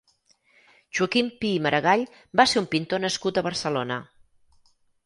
Joaquim Pi i Margall va ser un pintor nascut a Barcelona.